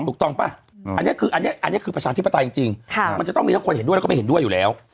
ถูกต้องป่ะอันนี้คืออันนี้คือประชาธิปไตยจริงมันจะต้องมีทั้งคนเห็นด้วยแล้วก็ไม่เห็นด้วยอยู่แล้ว